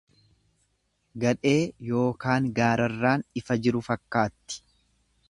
Gadhee yookaan gaararraan ifa jiru fakkaatti.